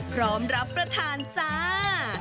พร้อมรับประทานจ้า